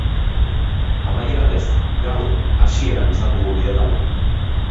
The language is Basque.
Amaieran ez, gaur, hasieran izan dugu bidelagun.